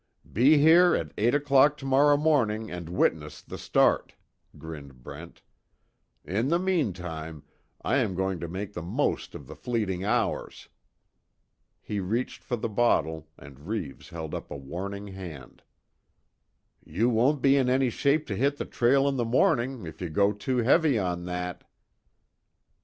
"Be here at eight o'clock tomorrow morning and witness the start," grinned Brent, "In the meantime, I am going to make the most of the fleeting hours." He reached for the bottle, and Reeves held up a warning hand: "You won't be in any shape to hit the trail in the morning, if you go too heavy on that."